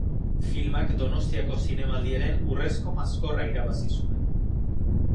Filmak Donostiako Zinemaldiaren Urrezko Maskorra irabazi zuen.